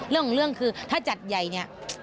เรื่องคือถ้าจัดใหญ่นี่